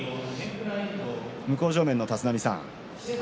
向正面の立浪さん